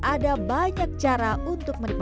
ada banyak cara untuk menikmati